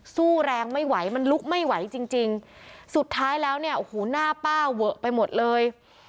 สู้แรงไม่ไหวมันลุกไม่ไหวจริงจริงสุดท้ายแล้วเนี่ยโอ้โหหน้าป้าเวอะไปหมดเลย